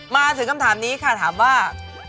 มาถึงคำถามนี้ค่ะถามว่า